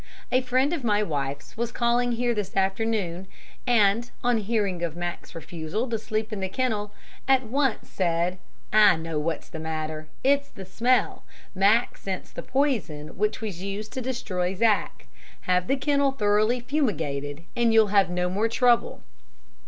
A friend of my wife's was calling here this afternoon, and, on hearing of Mack's refusal to sleep in the kennel, at once said, 'I know what's the matter. It's the smell. Mack scents the poison which was used to destroy Zack. Have the kennel thoroughly fumigated, and you'll have no more trouble.'